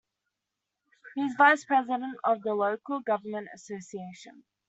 He is Vice-President of the Local Government Association.